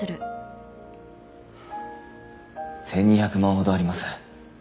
１２００万ほどあります。